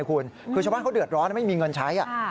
คือชาวบ้านเขาเดือดร้อนไม่มีเงินใช้